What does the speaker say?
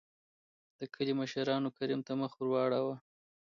دکلي مشرانو کريم ته مخ ور ور واړو .